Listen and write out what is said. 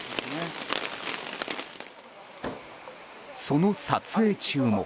その撮影中も。